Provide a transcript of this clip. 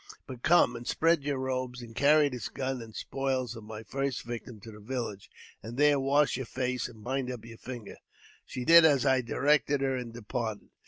But come and spread your robe, and carry this gun and spoils of my first victim to the village, and there wash your face and bind up your finger." She did as I directed her, and departed.